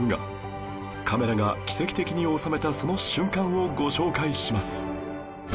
カメラが奇跡的に収めたその瞬間をご紹介します